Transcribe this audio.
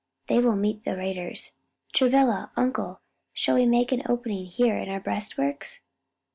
They will meet the raiders. Travilla, uncle, shall we make an opening here in our breastworks?"